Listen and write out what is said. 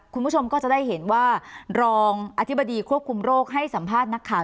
คุณผู้ชมก็จะได้เห็นว่ารองอธิบดีควบคุมโรคให้สัมภาษณ์นักข่าว